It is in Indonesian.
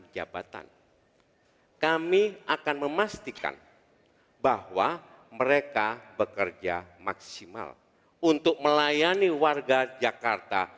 lima ribu empat puluh enam jabatan kami akan memastikan bahwa mereka bekerja maksimal untuk melayani warga jakarta